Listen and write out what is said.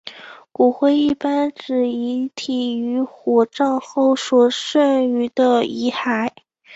骨灰一般指遗体于火葬后所剩余的遗骸。